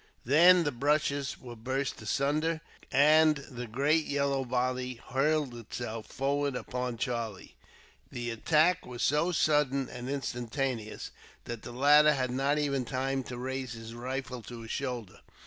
Then the bushes were burst asunder, and the great yellow body hurled itself forward upon Charlie. The attack was so sudden and instantaneous that the latter had not even time to raise his rifle to his shoulder.